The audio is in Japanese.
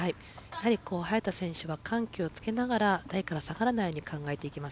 早田選手は緩急をつけながら台から下がらないように考えていきます。